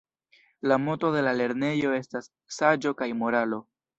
La moto de la lernejo estas "Saĝo kaj Moralo"